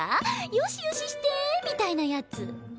「よしよしして」みたいなやつ。